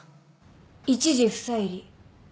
一事不再理。